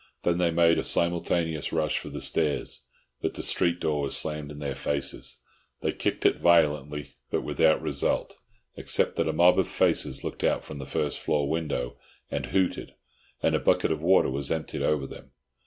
Then they made a simultaneous rush for the stairs, but the street door was slammed in their faces. They kicked it violently, but without result, except that a mob of faces looked out of the first floor window and hooted, and a bucket of water was emptied over them.